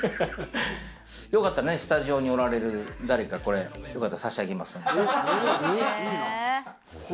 よかったらね、スタジオにおられる誰か、これ差し上げますんで。